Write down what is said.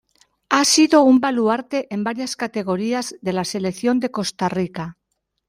Ha sido un baluarte en varias categorías de la selección de Costa Rica.